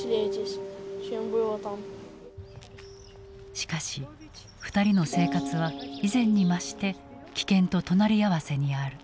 しかし２人の生活は以前に増して危険と隣り合わせにある。